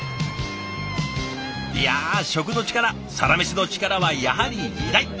いや食の力サラメシの力はやはり偉大！